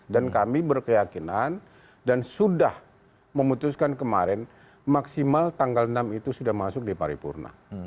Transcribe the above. dan kami berkeyakinan dan sudah memutuskan kemarin maksimal tanggal enam itu sudah masuk di paripurna